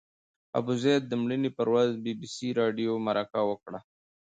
د ابوزید د مړینې پر ورځ بي بي سي راډیو مرکه وکړه.